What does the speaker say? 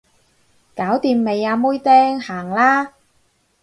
搞掂未啊妹釘，行啦